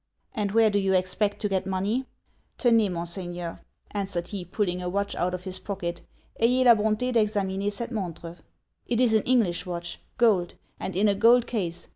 'And where do you expect to get money?' 'Tenez, mon Seigneur,' answered he, pulling a watch out of his pocket, 'ayez la bonté d'examiner cet montre. It is an English watch. Gold; and in a gold case.